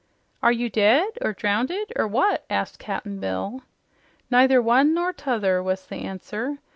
"Are you dead, or drownded, or what?" asked Cap'n Bill. "Neither one nor t'other," was the answer.